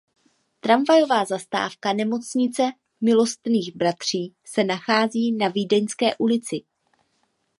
Tramvajová zastávka Nemocnice Milosrdných bratří se nachází na Vídeňské ulici.